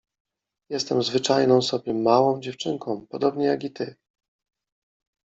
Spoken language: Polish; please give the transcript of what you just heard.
— Jestem zwyczajną sobie małą dziewczynką, podobnie jak i ty.